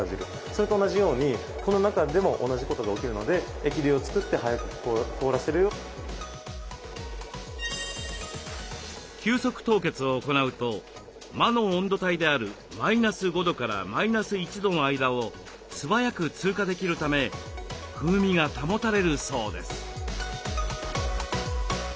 それと同じようにこの中でも同じことが起きるので急速凍結を行うと魔の温度帯であるマイナス５度からマイナス１度の間を素早く通過できるため風味が保たれるそうです。